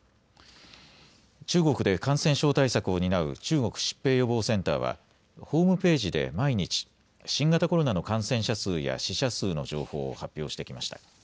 中国で感染症対策を担う中国疾病予防センターはホームページで毎日新型コロナの感染者数や死者数の情報を発表してきました。